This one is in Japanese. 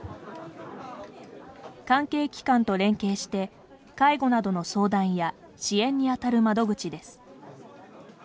関係機関と連携して介護などの相談や支援にあたる窓口です。